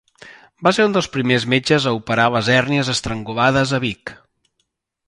Va ser un dels primers metges a operar les hèrnies estrangulades a Vic.